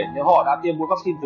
nếu họ đã tiêm mũi vắc xin thứ ba